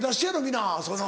皆。